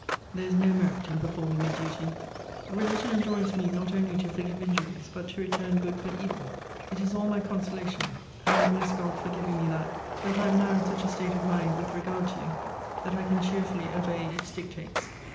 There is no merit in performing a duty. Religion enjoins me not only to forgive injuries, but to return good for evil. It is all my consolation, and I bless God for giving me that, that I am now in such a state of mind, with regard to you, that I can cheerfully obey its dictates.